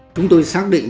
chúng tôi xác định